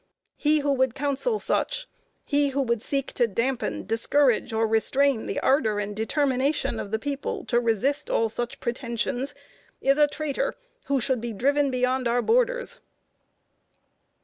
He who would counsel such he who would seek to dampen, discourage, or restrain the ardor and determination of the people to resist all such pretensions, is a traitor, who should be driven beyond our borders."